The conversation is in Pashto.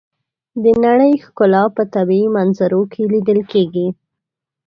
د نړۍ ښکلا په طبیعي منظرو کې لیدل کېږي.